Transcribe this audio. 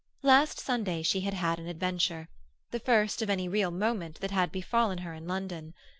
Last Sunday she had had an adventure, the first of any real moment that had befallen her in London.